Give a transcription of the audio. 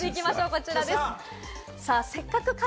こちらです。